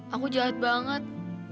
aku jahat banget